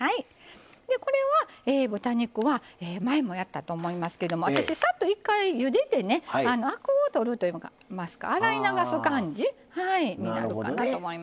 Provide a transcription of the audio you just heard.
これは豚肉は前もやったと思いますけども私さっと一回ゆでてねアクを取るといいますか洗い流す感じになるかなと思います。